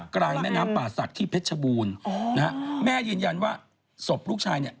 กลายแม่น้ำป่าสักที่เพชรบูรณ์แม่ยืนยันว่าศพลูกชายนี่